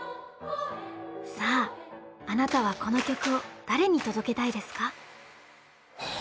さああなたはこの曲を誰に届けたいですか？